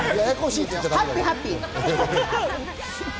ハッピー、ハッピー。